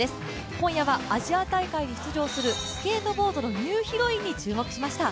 今夜はアジア大会に出場するスケートボードのニューヒロインに注目しました。